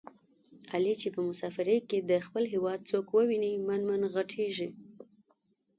علي چې په مسافرۍ کې د خپل هېواد څوک وویني من من ِغټېږي.